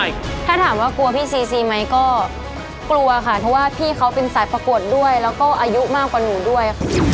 กลัวค่ะเพราะว่าพี่เขาเป็นสายประกวดด้วยแล้วก็อายุมากกว่าหนูด้วย